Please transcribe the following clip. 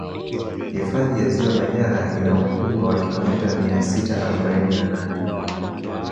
hfadhi ya ziwa manyara ina ukubwa wa kilomita mia sita arobaini na nane